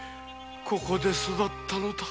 ここで育ったんだ。